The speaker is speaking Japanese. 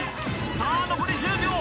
さあ残り１０秒